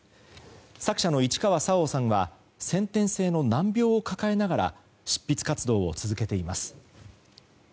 作者の市川沙央さんは先天性の難病を抱えながら執筆活動を続けています。